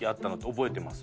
覚えてます。